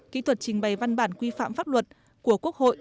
kỹ thuật trình bày văn bản quy phạm pháp luật của quốc hội